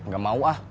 gak mau ah